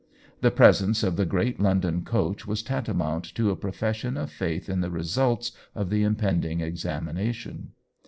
The presence of the great London coach was tantamount to a profession of faith in the results of the impending examination.